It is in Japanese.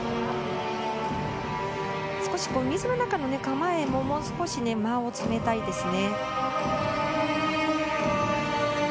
少し水の中の構えも、もう少し、間を詰めたいですね。